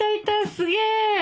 すげえ！